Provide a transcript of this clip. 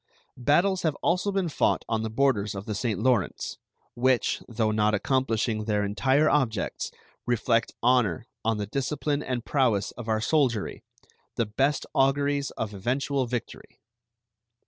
Battles have also been fought on the borders of the St. Lawrence, which, though not accomplishing their entire objects, reflect honor on the discipline and prowess of our soldiery, the best auguries of eventual victory.